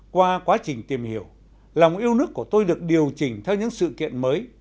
qua quá trình tìm hiểu lòng yêu nước của tôi được điều chỉnh theo những sự kiện mới